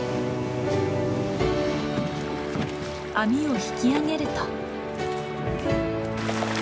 網を引き揚げると。